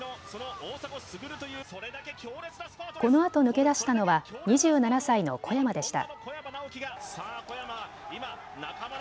このあと抜け出したのは２７歳の小山でした。